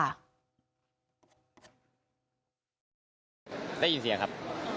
ได้ยินเสียงครับ